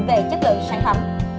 về chất lượng sản phẩm